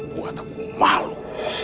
buat aku malu